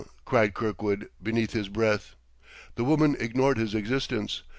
cried Kirkwood, beneath his breath. The woman ignored his existence.